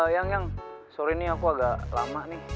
yang sorry nih aku agak lama nih